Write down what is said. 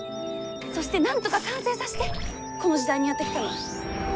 そしてなんとか完成させてこの時代にやって来たの。